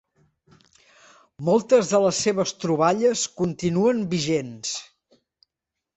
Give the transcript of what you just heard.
Moltes de les seves troballes continuen vigents.